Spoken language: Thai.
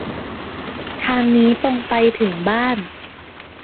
ทางนี้ตรงไปถึงบ้าน